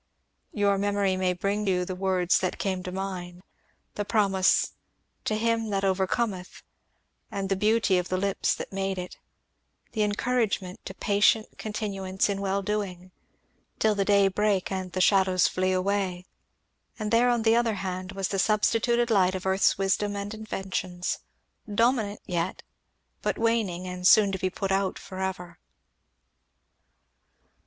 Your memory may bring to you the words that came to mine, the promise 'to him that overcometh', and the beauty of the lips that made it the encouragement to 'patient continuance in well doing', 'till the day break and the shadows flee away.' And there on the other hand was the substituted light of earth's wisdom and inventions, dominant yet, but waning and soon to be put out for ever."